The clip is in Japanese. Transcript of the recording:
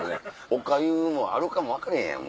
お粥もあるかも分かれへんやん